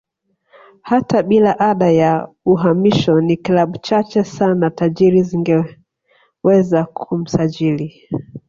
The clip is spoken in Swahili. Hata bila ada ya uhamisho ni klabu chache sana tajiri zingeweza kumsajili